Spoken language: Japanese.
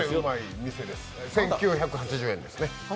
１９８０円ですね。